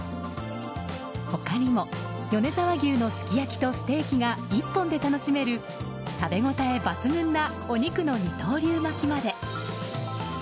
他にも米沢牛のすき焼きとステーキが１本で楽しめる食べ応え抜群なお肉の二刀流巻きまで。